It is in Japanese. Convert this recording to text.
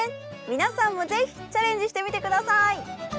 皆さんも是非チャレンジしてみて下さい。